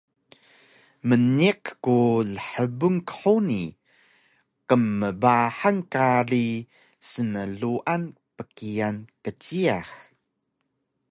Mniq ku lhbun qhuni qmbahang kari snluan bkian kjiyax